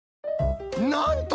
なんと！